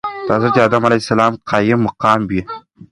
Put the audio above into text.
دحضرت ادم عليه السلام قايم مقام وي .